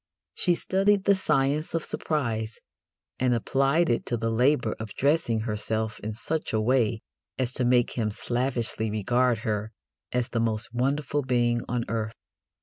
She studied the science of surprise, and applied it to the labour of dressing herself in such a way as to make him slavishly regard her as the most wonderful being on earth.